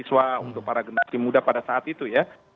untuk para genasi muda pada saat itu ya